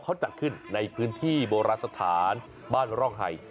เขาจัดขึ้นในพื้นที่โบราณสถานบ้านร่องไห่